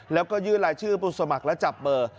แล้วก็ยื่นรายชื่อผู้สมัครและจับเบอร์